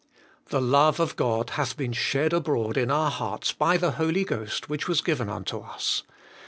5. ' The love of God hath been shed abroad in our hearts by the Holy Ghost which was given unto us.'